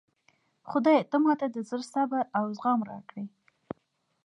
خدایه ته ماته د زړه صبر او زغم راکړي